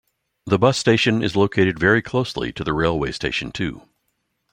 The bus station is located very closely to the railway station too.